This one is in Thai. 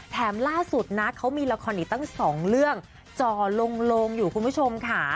ล่าสุดนะเขามีละครอีกตั้งสองเรื่องจอลงอยู่คุณผู้ชมค่ะ